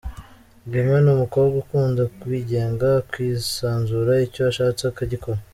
Gemma ni umukobwa ukunda kwigenga ,akisanzura icyo ashatse akagikora.